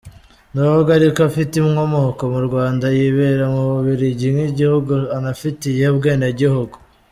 N’ubwo ariko afite inkomoko mu Rwanda, yibera mu Bubiligi nk’igihugu anafitiye ubwenegihugu.